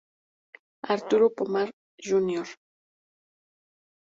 Arturo Pomar Jr.